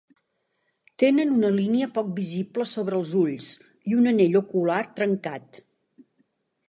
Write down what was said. Tenen una línia poc visible sobre els ulls i un anell ocular trencat.